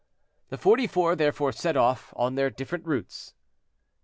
The forty four therefore set off on their different routes.